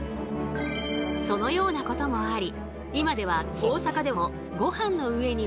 そのようなこともあり